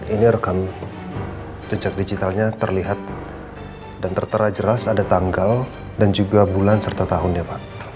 ini rekam jejak digitalnya terlihat dan tertera jelas ada tanggal dan juga bulan serta tahun ya pak